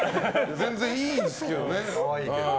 全然いいですけどね。